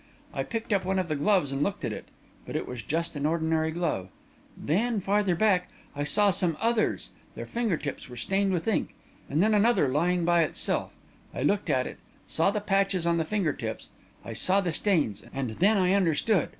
I picked up one of the gloves and looked at it, but it was just an ordinary glove. Then farther back, I saw some others their finger tips were stained with ink and then another, lying by itself. I looked at it, I saw the patches on the finger tips I saw the stains and then I understood.